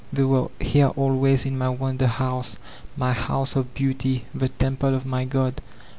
They were here always in my wonder house, my house of Beauty, the temple of my god.